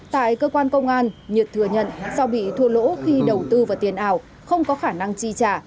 tại cơ quan công an nhật thừa nhận do bị thua lỗ khi đầu tư vào tiền ảo không có khả năng chi trả